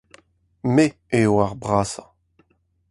Me eo ar brasañ.